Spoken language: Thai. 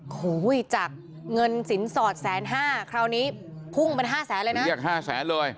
โอ้โหจากเงินสินสอดแสนห้าคราวนี้พุ่งเป็นห้าแสนเลยนะเรียกห้าแสนเลย